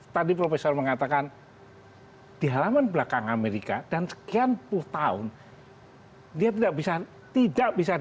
tadi profesor mengatakan di halaman belakang amerika dan sekian puluh tahun dia tidak bisa tidak bisa